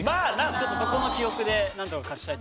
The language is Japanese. ちょっとそこの記憶でなんとか勝ちたいと。